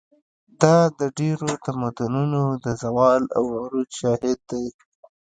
دا د ډېرو تمدنونو د زوال او عروج شاهد دی.